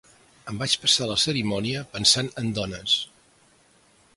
Em vaig passar la cerimònia pensant en dones.